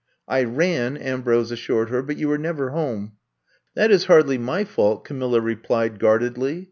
'* I ran," Ambrose assured her. But you were never home. '' That is hardly my fault," Camilla re plied guardedly.